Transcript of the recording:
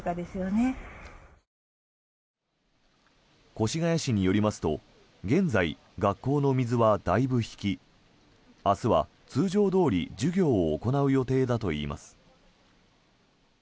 越谷市によりますと現在、学校の水はだいぶ引き明日は通常どおり授業を行う予定だといいます。